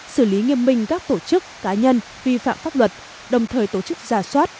xử lý nghiêm minh các tổ chức cá nhân vi phạm pháp luật đồng thời tổ chức ra soát